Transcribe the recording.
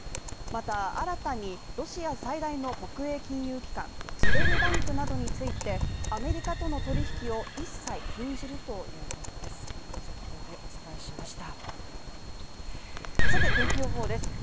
また新たに、ロシア最大の国営金融機関ズベルバンクなどについて、アメリカとの取引を一切禁じるということです天気予報です。